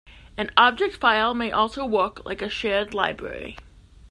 An object file may also work like a shared library.